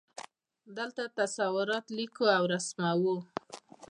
دلته تصورات لیکو او رسموو.